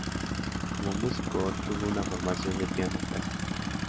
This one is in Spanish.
Como músico, tuvo una formación de piano clásico.